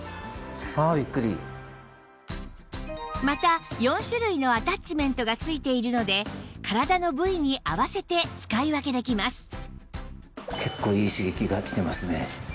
また４種類のアタッチメントが付いているので体の部位に合わせて使い分けできます